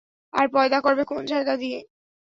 আর পয়দা করবে কোন জায়গা দিয়ে?